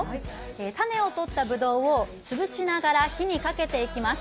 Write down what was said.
種を取ったぶどうをつぶしながら火にかけていきます。